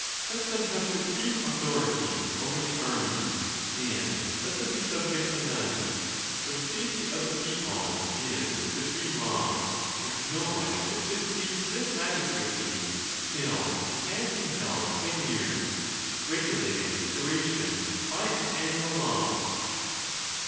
Let them have supreme authority over the army, and let them be subject to none ; for the safety of the people is the supreme law; and no one should succeed to this magistracy till it has been held ten years—regulating the duration by an annual law.